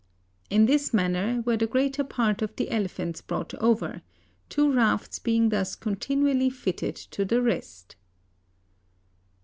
In this manner were the greater part of the elephants brought over, two rafts being thus continually fitted to the rest."